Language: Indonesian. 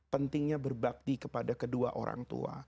pentingnya berbakti kepada kedua orang tua